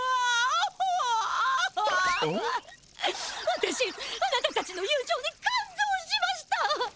わたしあなたたちの友じょうに感動しました！